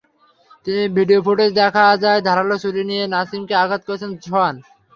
Video ফুটেজে দেখা যায়, ধারালো ছুরি দিয়ে নাসিমকে আঘাত করেছেন সোহান।